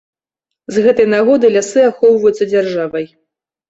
З гэтай нагоды лясы ахоўваюцца дзяржавай.